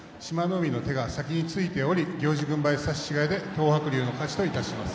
海の手が先についており行司軍配差し違えで東白龍の勝ちといたします。